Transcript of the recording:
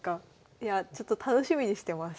いやちょっと楽しみにしてます。